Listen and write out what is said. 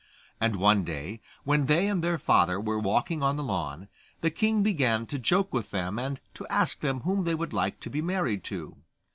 And one day, when they and their father were walking on the lawn, the king began to joke with them, and to ask them whom they would like to be married to.